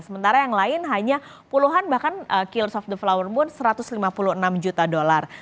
sementara yang lain hanya puluhan bahkan kills of the flower moon satu ratus lima puluh enam juta dolar